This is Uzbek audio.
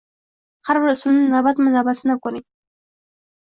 Har bir usulni navbatma-navbat sinab ko‘ring